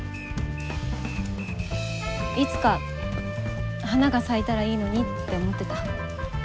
いつか花が咲いたらいいのにって思ってた。